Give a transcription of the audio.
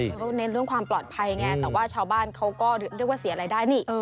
เขาก็เน้นเรื่องความปลอดภัยไงแต่ว่าชาวบ้านเขาก็เรียกว่าเสียรายได้นี่